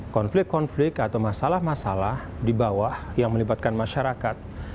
konflik konflik atau masalah masalah di bawah yang melibatkan masyarakat